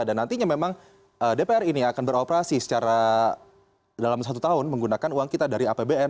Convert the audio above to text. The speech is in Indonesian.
dan nantinya memang dpr ini akan beroperasi secara dalam satu tahun menggunakan uang kita dari apbn